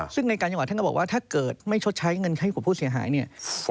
ซึ่งในการจังหวัดท่านก็บอกว่าถ้าเกิดไม่ชดใช้เงินให้กับผู้เสียหายเนี่ย